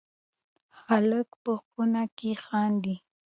هلک په خونه کې خاندي.